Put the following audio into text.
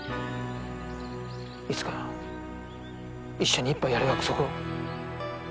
いつか一緒に一杯やる約束を。